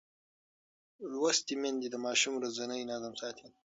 لوستې میندې د ماشوم ورځنی نظم ساتي.